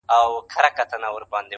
موږ په دې ساحل کي آزمېیلي توپانونه دي-